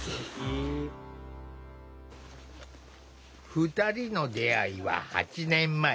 ２人の出会いは８年前。